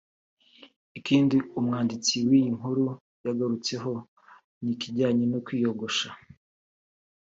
Ikindi umwanditsi w’iyi nkuru yagarutseho ni ikijyanye no kwiyogosha